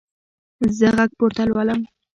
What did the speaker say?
زه غږ پورته لولم.